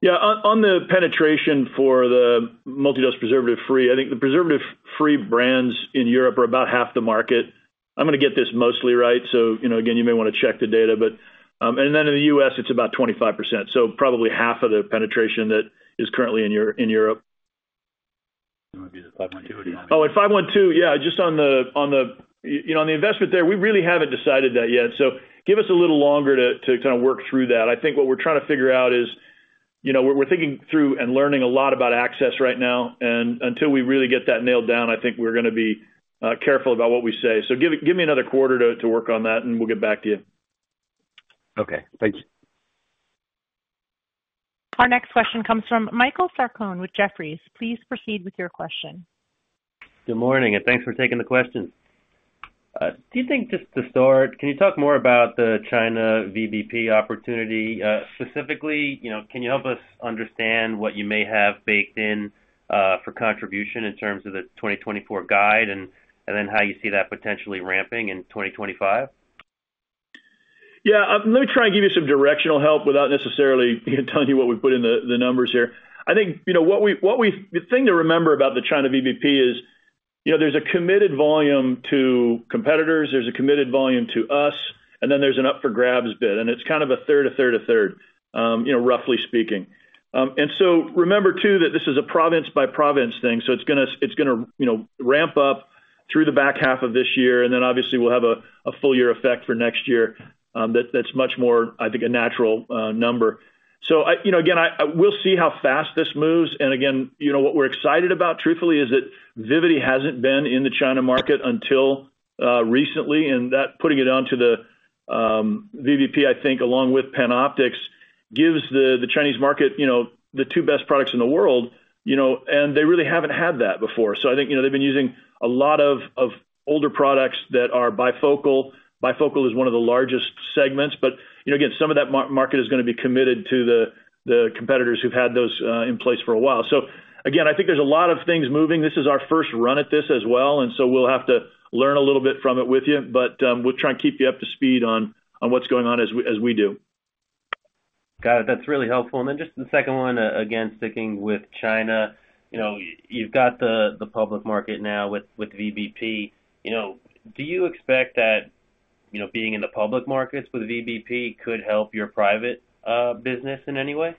Yeah. On the penetration for the multidose preservative-free, I think the preservative-free brands in Europe are about half the market. I'm going to get this mostly right. So again you may want to check the data. And then in the U.S. it's about 25%. So probably half of the penetration that is currently in Europe. That might be the 512. Oh. And 512, yeah, just on the investment there, we really haven't decided that yet. So give us a little longer to kind of work through that. I think what we're trying to figure out is we're thinking through and learning a lot about access right now, and until we really get that nailed down, I think we're going to be careful about what we say. So give me another quarter to work on that, and we'll get back to you. Okay. Thank you. Our next question comes from Michael Sarcone with Jefferies. Please proceed with your question. Good morning and thanks for taking the question. Do you think just to start, can you talk more about the China VBP opportunity? Specifically, can you help us understand what you may have baked in for contribution in terms of the 2024 guide and then how you see that potentially ramping in 2025? Yeah. Let me try and give you some directional help without necessarily telling you what we've put in the numbers here. I think the thing to remember about the China VBP is there's a committed volume to competitors. There's a committed volume to us. And then there's an up for grabs bit. And it's kind of a third, a third, a third, roughly speaking. And so remember too that this is a province by province thing. So it's going to ramp up through the back half of this year and then obviously we'll have a full year effect for next year that's much more, I think, a natural number. So again we'll see how fast this moves. And again what we're excited about truthfully is that Vivity hasn't been in the China market until recently and that putting it onto the VBP, I think, along with PanOptix gives the Chinese market the two best products in the world and they really haven't had that before. So I think they've been using a lot of older products that are bifocal. Bifocal is one of the largest segments but again some of that market is going to be committed to the competitors who've had those in place for a while. So again I think there's a lot of things moving. This is our first run at this as well and so we'll have to learn a little bit from it with you. But we'll try and keep you up to speed on what's going on as we do. Got it. That's really helpful. And then just the second one, again sticking with China, you've got the public market now with VBP. Do you expect that being in the public markets with VBP could help your private business in any way?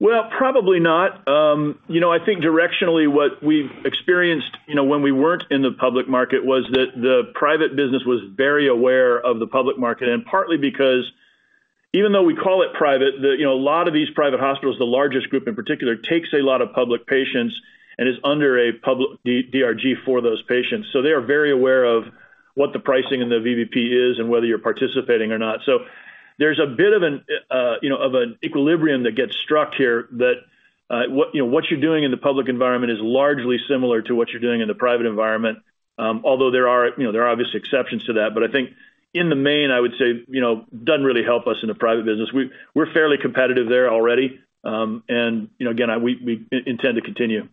Well, probably not. I think directionally what we've experienced when we weren't in the public market was that the private business was very aware of the public market and partly because even though we call it private, a lot of these private hospitals, the largest group in particular, takes a lot of public patients and is under a public DRG for those patients. So they are very aware of what the pricing in the VBP is and whether you're participating or not. So there's a bit of an equilibrium that gets struck here that what you're doing in the public environment is largely similar to what you're doing in the private environment, although there are obvious exceptions to that. But I think in the main, I would say it doesn't really help us in the private business. We're fairly competitive there already and again we intend to continue.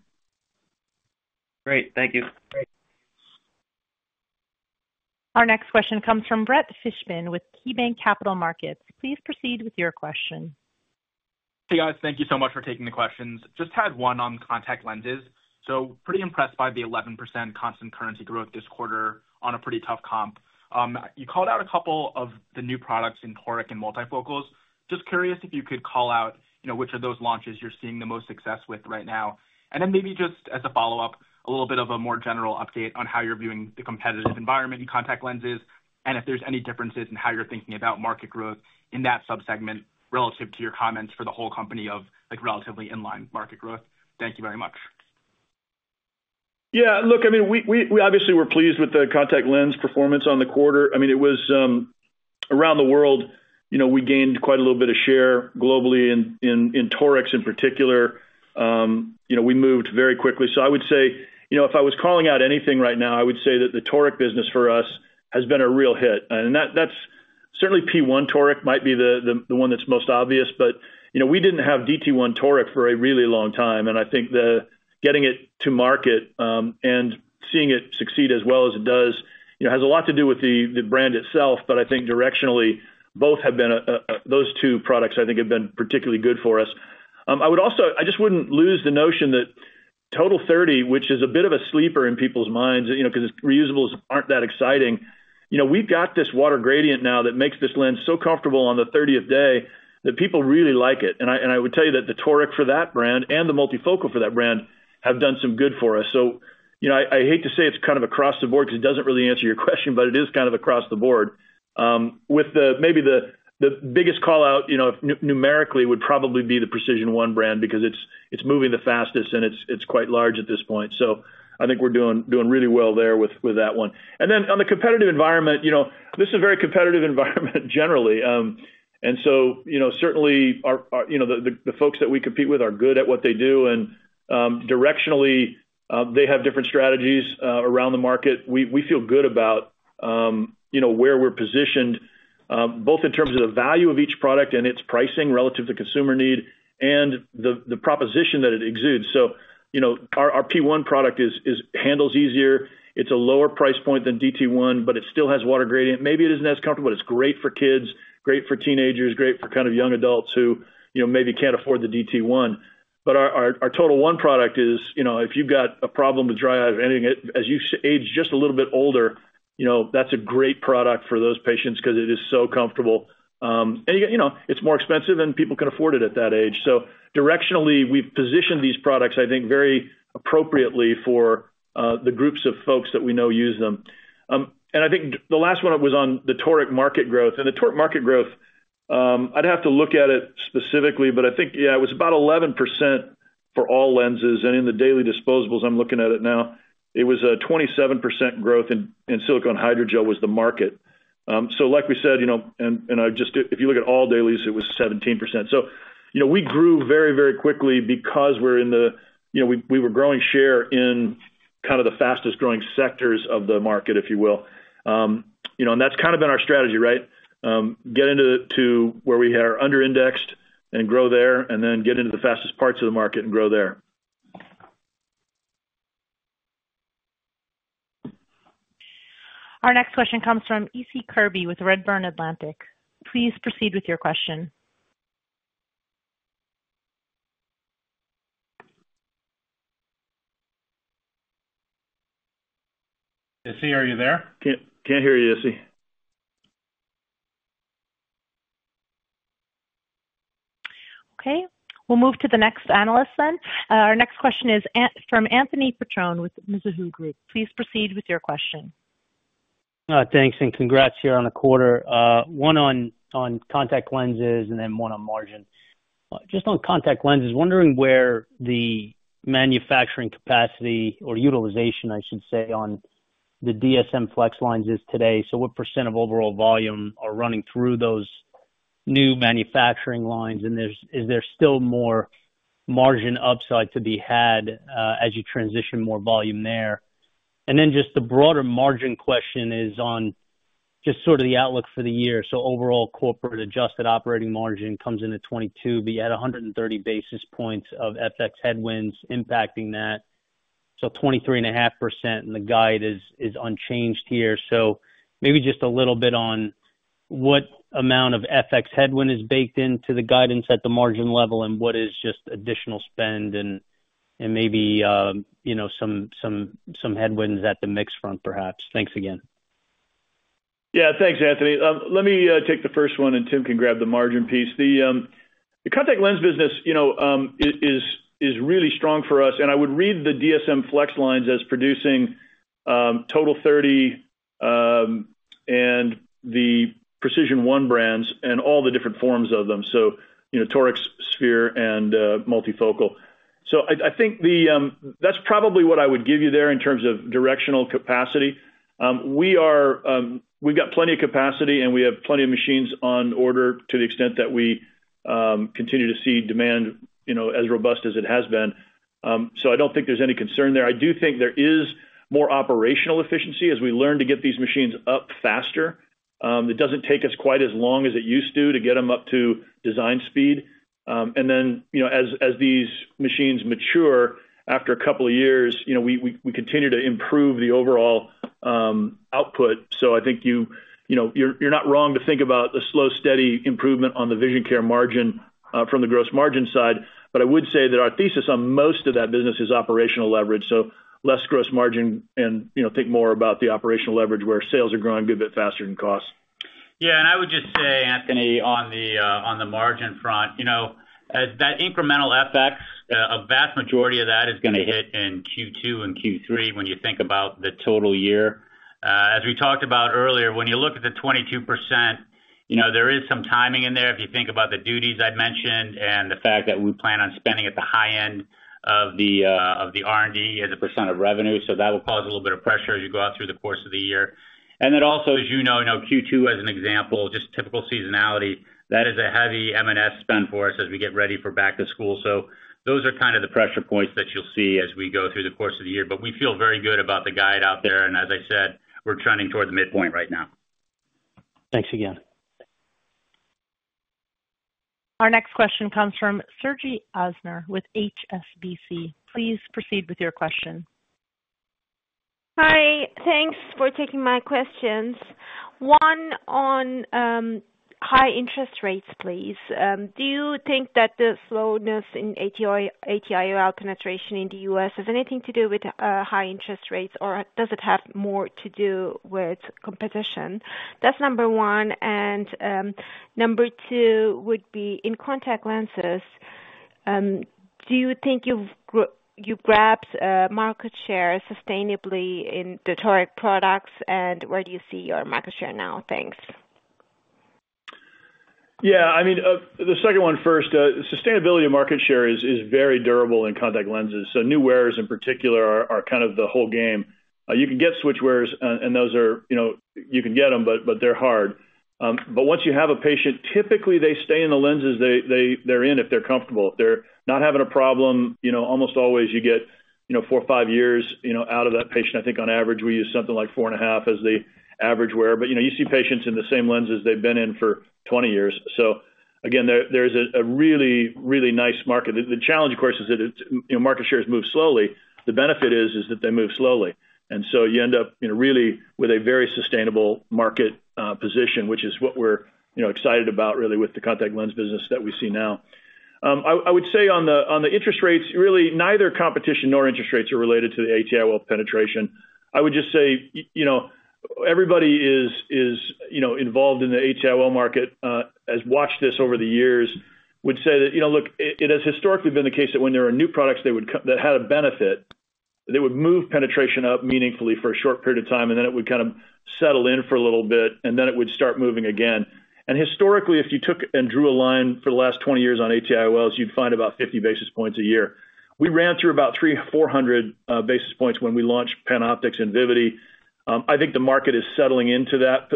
Great. Thank you. Our next question comes from Brett Fishman with KeyBanc Capital Markets. Please proceed with your question. Hey guys. Thank you so much for taking the questions. Just had one on contact lenses. So pretty impressed by the 11% constant currency growth this quarter on a pretty tough comp. You called out a couple of the new products in Toric and Multifocals. Just curious if you could call out which of those launches you're seeing the most success with right now. And then maybe just as a follow up, a little bit of a more general update on how you're viewing the competitive environment in contact lenses and if there's any differences in how you're thinking about market growth in that subsegment relative to your comments for the whole company of relatively in-line market growth. Thank you very much. Yeah. Look, I mean we obviously were pleased with the contact lens performance on the quarter. I mean it was around the world. We gained quite a little bit of share globally in toric in particular. We moved very quickly. So I would say if I was calling out anything right now, I would say that the toric business for us has been a real hit. And that's certainly P1 toric might be the one that's most obvious but we didn't have DT1 toric for a really long time. And I think getting it to market and seeing it succeed as well as it does has a lot to do with the brand itself. But I think directionally both have been those two products, I think, have been particularly good for us. I would also, I just wouldn't lose the notion that TOTAL30, which is a bit of a sleeper in people's minds because reusables aren't that exciting, we've got this water gradient now that makes this lens so comfortable on the 30th day that people really like it. And I would tell you that the toric for that brand and the Multifocal for that brand have done some good for us. So I hate to say it's kind of across the board because it doesn't really answer your question but it is kind of across the board. With maybe the biggest call out numerically would probably be the PRECISION1 brand because it's moving the fastest and it's quite large at this point. So I think we're doing really well there with that one. And then on the competitive environment, this is a very competitive environment generally. Certainly the folks that we compete with are good at what they do and directionally they have different strategies around the market. We feel good about where we're positioned both in terms of the value of each product and its pricing relative to consumer need and the proposition that it exudes. Our P1 product handles easier. It's a lower price point than DT1 but it still has water gradient. Maybe it isn't as comfortable but it's great for kids, great for teenagers, great for kind of young adults who maybe can't afford the DT1. But our TOTAL1 product is if you've got a problem with dry eyes or anything, as you age just a little bit older, that's a great product for those patients because it is so comfortable. Again it's more expensive and people can afford it at that age. So directionally we've positioned these products, I think, very appropriately for the groups of folks that we know use them. And I think the last one was on the toric market growth. And the toric market growth, I'd have to look at it specifically but I think, yeah, it was about 11% for all lenses. And in the daily disposables, I'm looking at it now, it was a 27% growth in silicone hydrogel was the market. So like we said, and I just if you look at all dailies, it was 17%. So we grew very, very quickly because we're in, we were growing share in kind of the fastest growing sectors of the market, if you will. And that's kind of been our strategy, right? Get into where we are underindexed and grow there and then get into the fastest parts of the market and grow there. Our next question comes from Issie Kirby with Redburn Atlantic. Please proceed with your question. Issie, are you there? Can't hear you, Issie. Okay. We'll move to the next analyst then. Our next question is from Anthony Petrone with Mizuho Group. Please proceed with your question. Thanks and congrats here on the quarter. One on contact lenses and then one on margin. Just on contact lenses, wondering where the manufacturing capacity or utilization, I should say, on the DSM-Flex lines is today. So what % of overall volume are running through those new manufacturing lines and is there still more margin upside to be had as you transition more volume there? And then just the broader margin question is on just sort of the outlook for the year. So overall corporate adjusted operating margin comes into 2022, but you had 130 basis points of FX headwinds impacting that. So 23.5% and the guide is unchanged here. So, maybe just a little bit on what amount of FX headwind is baked into the guidance at the margin level and what is just additional spend and maybe some headwinds at the mix front, perhaps. Thanks again. Yeah. Thanks, Anthony. Let me take the first one and Tim can grab the margin piece. The contact lens business is really strong for us and I would read the DSM-Flex lines as producing TOTAL30 and the PRECISION1 brands and all the different forms of them. So Toric, Sphere, and Multifocal. So I think that's probably what I would give you there in terms of directional capacity. We've got plenty of capacity and we have plenty of machines on order to the extent that we continue to see demand as robust as it has been. So I don't think there's any concern there. I do think there is more operational efficiency as we learn to get these machines up faster. It doesn't take us quite as long as it used to to get them up to design speed. And then as these machines mature after a couple of years, we continue to improve the overall output. So I think you're not wrong to think about the slow, steady improvement on the vision care margin from the gross margin side. But I would say that our thesis on most of that business is operational leverage. So less gross margin and think more about the operational leverage where sales are growing a good bit faster than costs. Yeah. And I would just say, Anthony, on the margin front, that incremental FX, a vast majority of that is going to hit in Q2 and Q3 when you think about the total year. As we talked about earlier, when you look at the 22%, there is some timing in there if you think about the duties I mentioned and the fact that we plan on spending at the high end of the R&D as a % of revenue. So that will cause a little bit of pressure as you go out through the course of the year. And then also, as you know, Q2 as an example, just typical seasonality, that is a heavy M&S spend for us as we get ready for back to school. So those are kind of the pressure points that you'll see as we go through the course of the year. We feel very good about the guide out there and as I said, we're trending toward the midpoint right now. Thanks again. Our next question comes from Sezgi Ozener with HSBC. Please proceed with your question. Hi. Thanks for taking my questions. One on high interest rates, please. Do you think that the slowness in ATIOL penetration in the U.S. has anything to do with high interest rates or does it have more to do with competition? That's number one. And number two would be in contact lenses, do you think you've grabbed market share sustainably in the toric products and where do you see your market share now? Thanks. Yeah. I mean the second one first, sustainability of market share is very durable in contact lenses. So new wearers in particular are kind of the whole game. You can get switch wearers and those are you can get them but they're hard. But once you have a patient, typically they stay in the lenses they're in if they're comfortable. If they're not having a problem, almost always you get 4-5 years out of that patient. I think on average we use something like 4.5 as the average wear. But you see patients in the same lenses they've been in for 20 years. So again, there's a really, really nice market. The challenge, of course, is that market shares move slowly. The benefit is that they move slowly. And so you end up really with a very sustainable market position, which is what we're excited about really with the contact lens business that we see now. I would say on the interest rates, really neither competition nor interest rates are related to the ATIOL penetration. I would just say everybody is involved in the ATIOL market, has watched this over the years, would say that, look, it has historically been the case that when there were new products that had a benefit, they would move penetration up meaningfully for a short period of time and then it would kind of settle in for a little bit and then it would start moving again. And historically, if you took and drew a line for the last 20 years on ATIOLs, you'd find about 50 basis points a year. We ran through about 300 basis points-400 basis points when we launched PanOptix and Vivity. I think the market is settling into that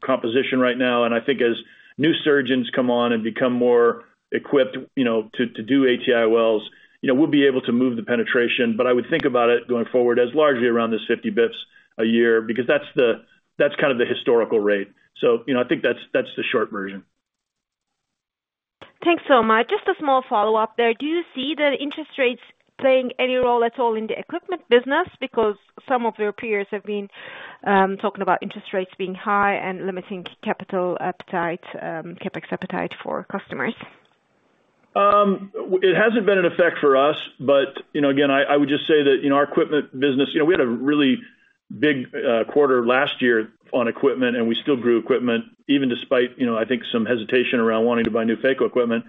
composition right now. And I think as new surgeons come on and become more equipped to do ATIOLs, we'll be able to move the penetration. But I would think about it going forward as largely around this 50 basis points a year because that's kind of the historical rate. So I think that's the short version. Thanks so much. Just a small follow up there. Do you see the interest rates playing any role at all in the equipment business because some of your peers have been talking about interest rates being high and limiting capital appetite, CapEx appetite for customers? It hasn't been an effect for us. But again, I would just say that our equipment business, we had a really big quarter last year on equipment and we still grew equipment even despite, I think, some hesitation around wanting to buy new phaco equipment.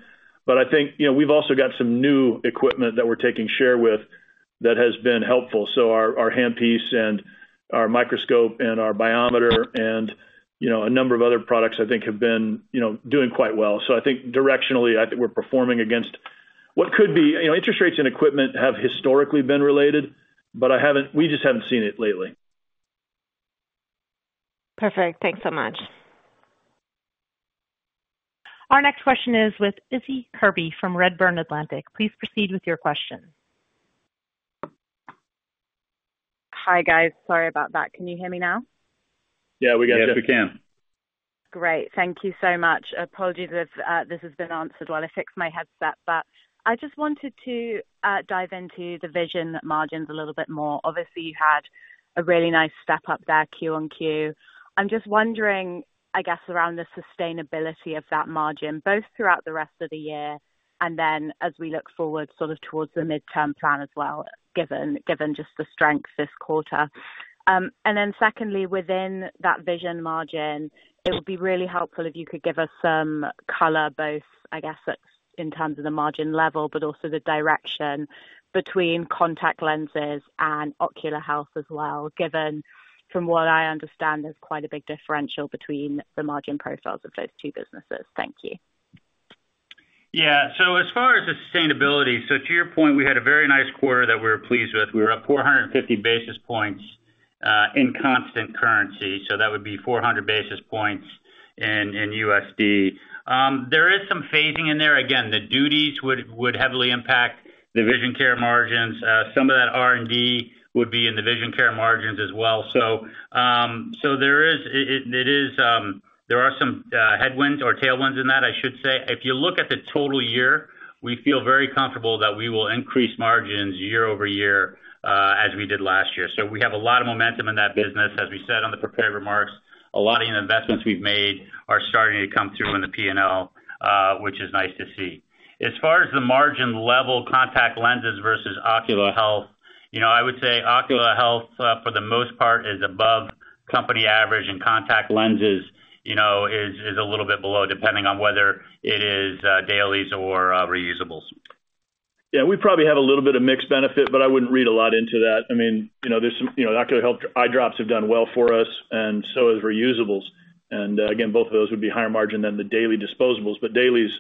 But I think we've also got some new equipment that we're taking share with that has been helpful. So our handpiece and our microscope and our biometer and a number of other products, I think, have been doing quite well. So I think directionally, I think we're performing against what could be. Interest rates in equipment have historically been related, but we just haven't seen it lately. Perfect. Thanks so much. Our next question is with Issie Kirby from Redburn Atlantic. Please proceed with your question. Hi, guys. Sorry about that. Can you hear me now? Yeah. We got you. Yes, we can. Great. Thank you so much. Apologies if this has been answered while I fix my headset. But I just wanted to dive into the vision margins a little bit more. Obviously, you had a really nice step up there, Q-on-Q. I'm just wondering, I guess, around the sustainability of that margin both throughout the rest of the year and then as we look forward sort of towards the midterm plan as well, given just the strength this quarter. And then secondly, within that vision margin, it would be really helpful if you could give us some color, both, I guess, in terms of the margin level but also the direction between contact lenses and ocular health as well, given from what I understand there's quite a big differential between the margin profiles of those two businesses. Thank you. Yeah. So as far as the sustainability, so to your point, we had a very nice quarter that we were pleased with. We were up 450 basis points in constant currency. So that would be 400 basis points in USD. There is some phasing in there. Again, the duties would heavily impact the vision care margins. Some of that R&D would be in the vision care margins as well. So there are some headwinds or tailwinds in that, I should say. If you look at the total year, we feel very comfortable that we will increase margins year-over-year as we did last year. So we have a lot of momentum in that business. As we said on the prepared remarks, a lot of the investments we've made are starting to come through in the P&L, which is nice to see. As far as the margin level, contact lenses versus ocular health, I would say ocular health for the most part is above company average and contact lenses is a little bit below depending on whether it is dailies or reusables. Yeah. We probably have a little bit of mixed benefit but I wouldn't read a lot into that. I mean there's some ocular health eyedrops have done well for us and so have reusables. And again, both of those would be higher margin than the daily disposables. But dailies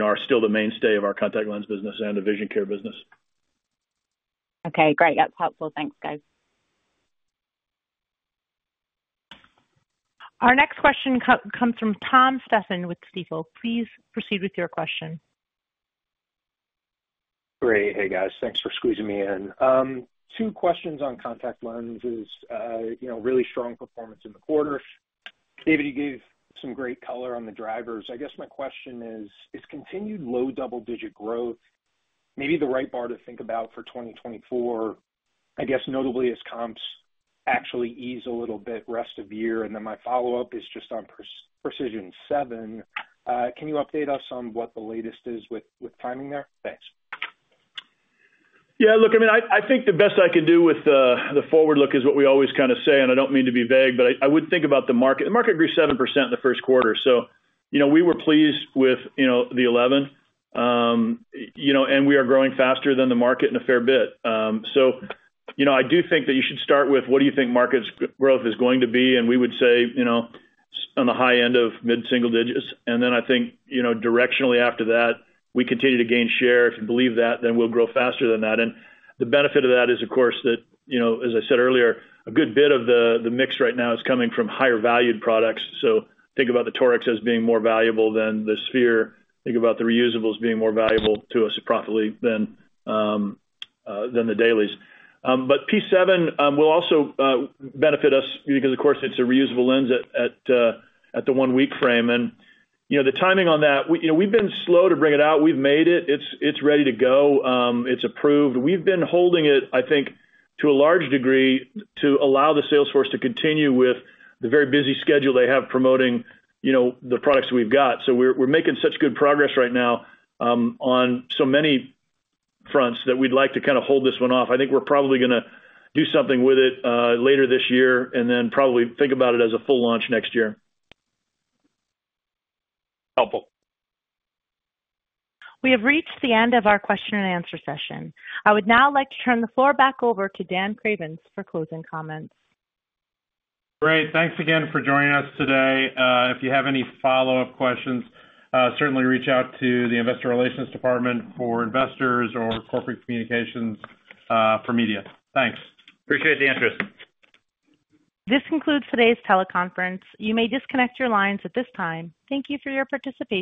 are still the mainstay of our contact lens business and the vision care business. Okay. Great. That's helpful. Thanks, guys. Our next question comes from Tom Stephan with Stifel. Please proceed with your question. Great. Hey, guys. Thanks for squeezing me in. Two questions on contact lenses. Really strong performance in the quarter. David, you gave some great color on the drivers. I guess my question is, is continued low double-digit growth maybe the right bar to think about for 2024, I guess notably as comps actually ease a little bit rest of year? And then my follow-up is just on PRECISION7. Can you update us on what the latest is with timing there? Thanks. Yeah. Look, I mean I think the best I can do with the forward look is what we always kind of say and I don't mean to be vague, but I would think about the market. The market grew 7% in the first quarter. So we were pleased with the 11 and we are growing faster than the market in a fair bit. So I do think that you should start with what do you think market growth is going to be? And we would say on the high end of mid-single digits. And then I think directionally after that, we continue to gain share. If you believe that, then we'll grow faster than that. And the benefit of that is, of course, that as I said earlier, a good bit of the mix right now is coming from higher valued products. So think about the torics as being more valuable than the spheres. Think about the reusables being more valuable to us profitably than the dailies. But P7 will also benefit us because, of course, it's a reusable lens at the one-week frame. And the timing on that, we've been slow to bring it out. We've made it. It's ready to go. It's approved. We've been holding it, I think, to a large degree to allow the sales force to continue with the very busy schedule they have promoting the products we've got. So we're making such good progress right now on so many fronts that we'd like to kind of hold this one off. I think we're probably going to do something with it later this year and then probably think about it as a full launch next year. Helpful. We have reached the end of our question and answer session. I would now like to turn the floor back over to Dan Cravens for closing comments. Great. Thanks again for joining us today. If you have any follow-up questions, certainly reach out to the Investor Relations Department for investors or corporate communications for media. Thanks. Appreciate the interest. This concludes today's teleconference. You may disconnect your lines at this time. Thank you for your participation.